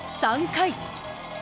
３回。